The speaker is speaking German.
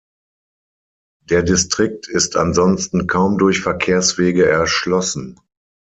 Der Distrikt ist ansonsten kaum durch Verkehrswege erschlossen.